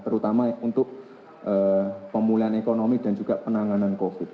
terutama untuk pemulihan ekonomi dan juga penanganan covid